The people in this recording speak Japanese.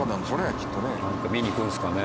なんか見に行くんですかね。